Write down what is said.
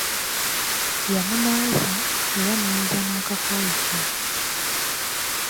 Yamunaaza, era n'ayoza n'akakooyi ke.